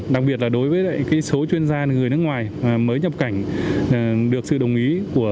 đặc biệt là đối với số chuyên gia người nước ngoài mới nhập cảnh được sự đồng ý của